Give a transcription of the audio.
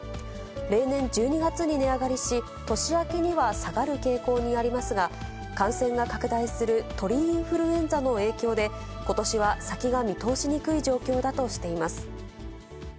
例年１２月に値上がりし、年明けには下がる傾向にありますが、感染が拡大する鳥インフルエンザの影響で、ことしは先が見通しにくい状況だとしています。